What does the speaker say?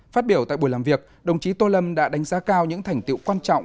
phát biểu tại buổi làm việc đồng chí tô lâm đã đánh giá cao những thành tiệu quan trọng